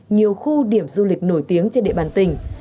nhiều khu điểm du lịch nổi tiếng trên địa bàn tỉnh